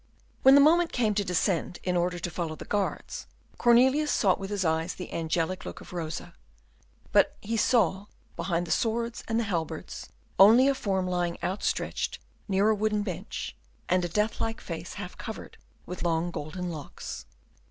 When the moment came to descend in order to follow the guards, Cornelius sought with his eyes the angelic look of Rosa, but he saw, behind the swords and halberds, only a form lying outstretched near a wooden bench, and a deathlike face half covered with long golden locks.